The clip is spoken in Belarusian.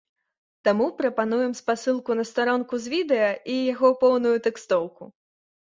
Таму прапануем спасылку на старонку з відэа і яго поўную тэкстоўку.